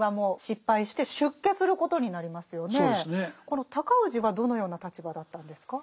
この尊氏はどのような立場だったんですか？